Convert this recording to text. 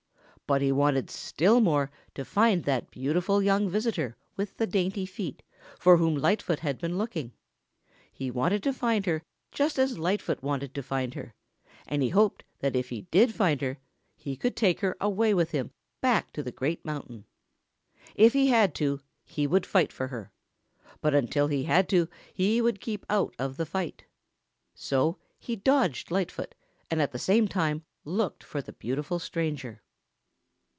But he wanted still more to find that beautiful young visitor with the dainty feet for whom Lightfoot had been looking. He wanted to find her just as Lightfoot wanted to find her, and he hoped that if he did find her, he could take her away with him back to the Great Mountain. If he had to, he would fight for her, but until he had to he would keep out of the fight. So he dodged Lightfoot and at the same time looked for the beautiful stranger.